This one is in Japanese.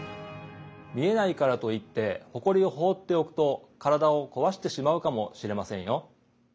見えないからといってほこりをほうっておくと体をこわしてしまうかもしれませんよ。